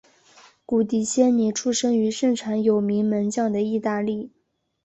古迪仙尼出生于盛产有名门将的意大利。